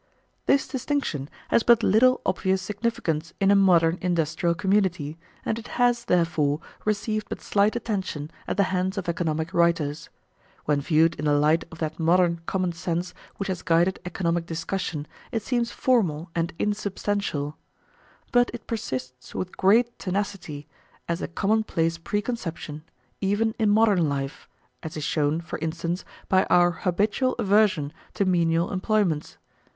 This distinction has but little obvious significance in a modern industrial community, and it has, therefore, received but slight attention at the hands of economic writers. When viewed in the light of that modern common sense which has guided economic discussion, it seems formal and insubstantial. But it persists with great tenacity as a commonplace preconception even in modern life, as is shown, for instance, by our habitual aversion to menial employments.